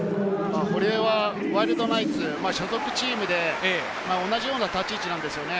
堀江はワイルドナイツ、所属チームで同じような立ち位置なんですよね。